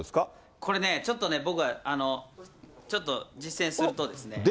これね、ちょっと僕、ちょっと実践するとですね。